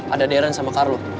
ada deren sama carlo